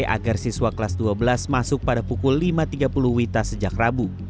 agar siswa kelas dua belas masuk pada pukul lima tiga puluh wita sejak rabu